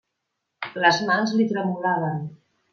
Les mans li tremolaven.